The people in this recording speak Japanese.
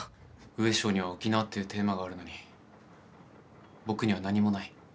ウエショウには沖縄っていうテーマがあるのに僕には何もない。